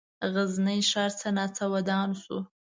غزني ښار څه ناڅه ودان شو.